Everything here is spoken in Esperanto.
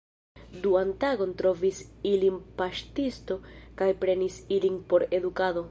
Duan tagon trovis ilin paŝtisto kaj prenis ilin por edukado.